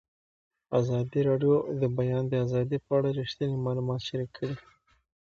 ازادي راډیو د د بیان آزادي په اړه رښتیني معلومات شریک کړي.